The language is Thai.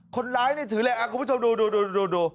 คนร้ายนี่ถือเลยคุณผู้ชมดู